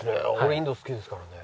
インド好きですからね。